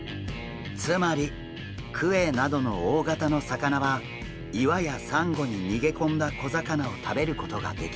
つまりクエなどの大型の魚は岩やサンゴに逃げ込んだ小魚を食べることができません。